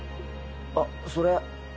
あっそれ。